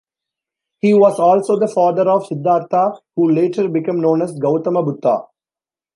He was also the father of Siddhartha, who later became known as Gautama Buddha.